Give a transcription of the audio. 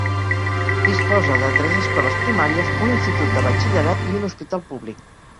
Disposa de tres escoles primàries, un institut de batxillerat i un hospital públic.